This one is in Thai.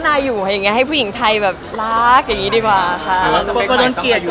นายอยู่ไหนให้ผู้หญิงไทยแบบรักอย่างนี้ดีป่ะค่ะ